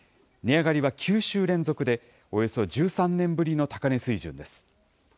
値上がりは９週連続で、およそ１３年ぶりの高値水準です。